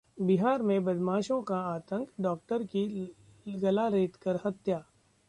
बिहार में बदमाशों का आतंक, डॉक्टर की गला रेतकर हत्या